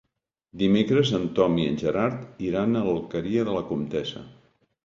Dimecres en Tom i en Gerard iran a l'Alqueria de la Comtessa.